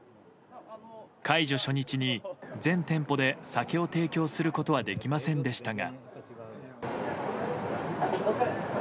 解除初日に全店舗で酒を提供することはできませんでしたが。